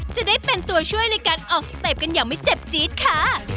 จะได้เป็นตัวช่วยในการออกสเต็ปกันอย่างไม่เจ็บจี๊ดค่ะ